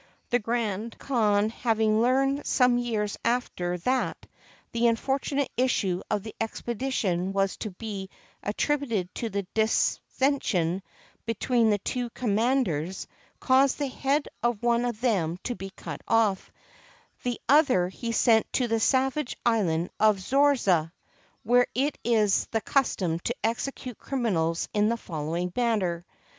The Grand Khan having learned some years after that the unfortunate issue of the expedition was to be attributed to the dissension between the two command ers, caused the head of one of them to be cut off; the other he sent to the savage island of Zorza, where it is the custom to execute criminals in the following manner.